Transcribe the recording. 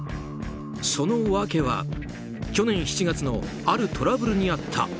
そのわけは去年７月のあるトラブルにあった。